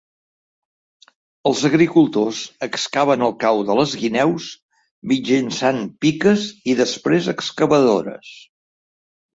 Els agricultors excaven el cau de les guineus mitjançant piques i després excavadores.